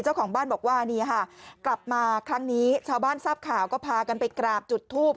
เจ้าของบ้านบอกว่านี่ค่ะกลับมาครั้งนี้ชาวบ้านทราบข่าวก็พากันไปกราบจุดทูบ